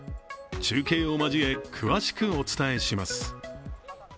中継を交え、詳しくお伝えします。